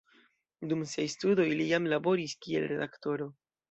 Dum siaj studoj li jam laboris kiel redaktoro.